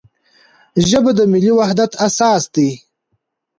ژبه د ملي وحدت اساس ده.